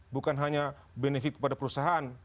bukan hanya benefit kepada perusahaan